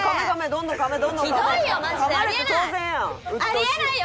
あり得ないよ